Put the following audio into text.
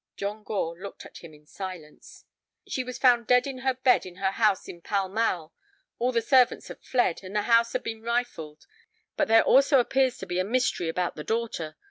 John Gore looked at him in silence. "She was found dead in her bed in her house in Pall Mall. All the servants had fled, and the house had been rifled. But there also appears to be a mystery about the daughter.